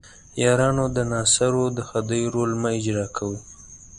یارانو د ناصرو د خدۍ رول مه اجراء کوئ.